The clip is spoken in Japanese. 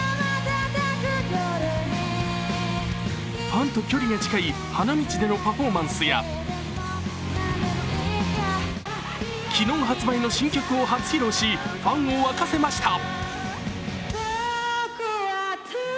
ファンと距離が近い花道でのパフォーマンスや昨日発売の新曲を初披露しファンを沸かせました。